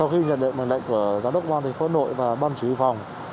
sau khi nhận định bằng đệnh của giám đốc ngoan thành phố nội và ban chủ y phòng